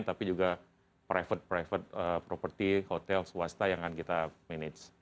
tapi juga private private property hotel swasta yang akan kita manage